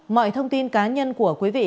mọi thông tin cá nhân của quý vị